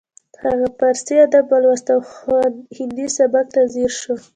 هغه پارسي ادب ولوست او هندي سبک ته ځیر شو